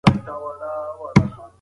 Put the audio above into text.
آیا زه کولی شم یو نېک انسان واوسم؟